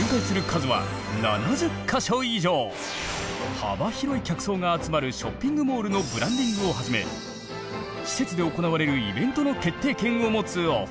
幅広い客層が集まるショッピングモールのブランディングをはじめ施設で行われるイベントの決定権を持つお二人！